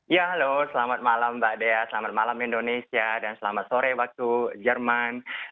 ya halo selamat malam mbak dea selamat malam indonesia dan selamat sore waktu jerman